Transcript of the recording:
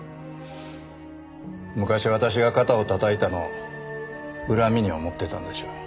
昔私が肩を叩いたのを恨みに思ってたんでしょう。